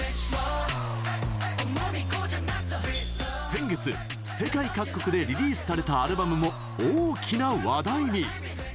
先月、世界各国でリリースされたアルバムも大きな話題に。